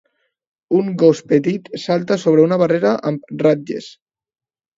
Un gos petit salta sobre una barrera amb ratlles.